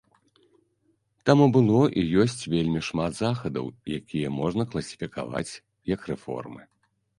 Таму было і ёсць вельмі шмат захадаў, якія можна класіфікаваць як рэформы.